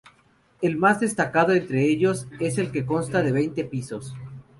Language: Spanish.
El más destacado entre ellos es el que consta de veinte pisos.